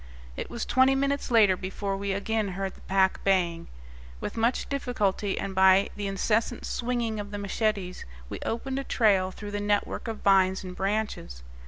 It was twenty minutes later before we again heard the pack baying. With much difficulty, and by the incessant swinging of the machetes, we opened a trail through the network of vines and branches.